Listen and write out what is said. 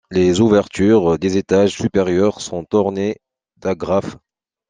Les ouvertures des étages supérieurs sont ornés d'agrafes.